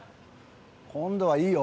今度はいいよ。